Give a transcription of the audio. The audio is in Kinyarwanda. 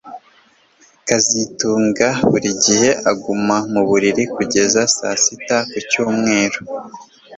kazitunga buri gihe aguma mu buriri kugeza saa sita ku cyumweru